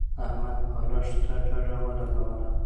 احمد بالښت ته ډډه ولګوله.